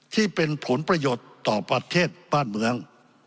ที่เป็นผลประโยชน์ต่อประเทศบ้านเมือง